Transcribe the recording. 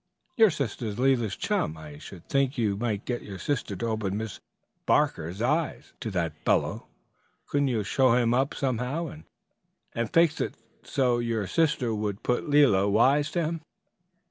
Your sister is Lela's chum; I should think you might get your sister to open Miss Barker's eyes to that fellow. Couldn't you show him up somehow and fix it so your sister would put Lela wise to him?"